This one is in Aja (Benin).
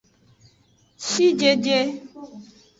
Shijeje.